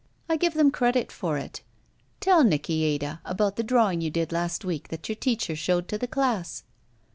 I give them credit for it. Tell Nicky, Ada, about the drawing you did last week that your teadier showed to the class."